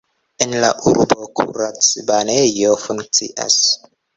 En la urbo kuracbanejo funkcias.